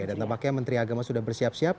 dan tepatnya menteri agama sudah bersiap siap